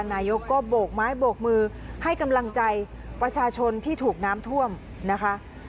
นายกก็โบกไม้โบกมือให้กำลังใจประชาชนที่ถูกน้ำท่วมนะคะ